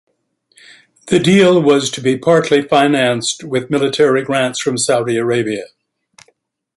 The deal was to be partly financed with military grants from Saudi Arabia.